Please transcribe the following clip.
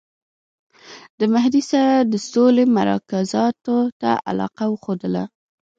د مهدي سره د سولي مذاکراتو ته علاقه وښودله.